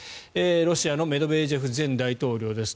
ロシアのメドベージェフ前大統領です。